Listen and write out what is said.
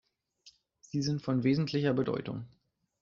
Sie sind von wesentlicher Bedeutung.